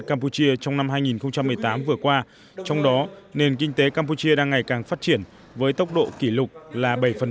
campuchia trong năm hai nghìn một mươi tám vừa qua trong đó nền kinh tế campuchia đang ngày càng phát triển với tốc độ kỷ lục là bảy